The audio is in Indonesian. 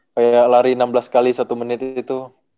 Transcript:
kayak lari enam belas kali satu menit itu